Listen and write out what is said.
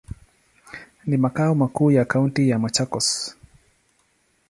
Ni makao makuu ya kaunti ya Machakos.